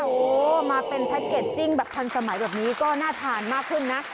โอ้โหมาเป็นแพ็คเกจจิ้งแบบทันสมัยแบบนี้ก็น่าทานมากขึ้นนะ